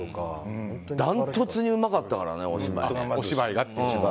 ダントツにうまかったからねお芝居。